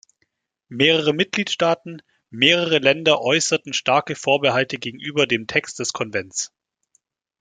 Mehrere Mitgliedstaaten, mehrere Länder äußerten starke Vorbehalte gegenüber dem Text des Konvents.